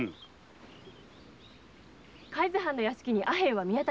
海津藩の屋敷にアヘンは見当たりませぬ。